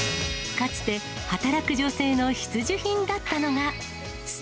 かつて働く女性の必需品だっ